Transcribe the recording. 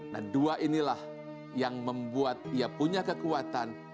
dan dua inilah yang membuat ia punya kekuatan